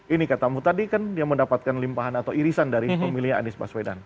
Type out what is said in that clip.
ini katamu tadi kan dia mendapatkan limpahan atau irisan dari pemilihnya anies baswedan